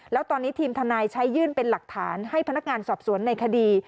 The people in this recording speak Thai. แล้วตอนนี้ทีมทนายใช้ยื่นเป็นหลักฐานให้พนักงานสอบสวนในคดี